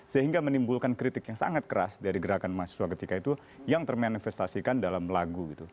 sehingga menimbulkan kritik yang sangat keras dari gerakan mahasiswa ketika itu yang termanifestasikan dalam lagu gitu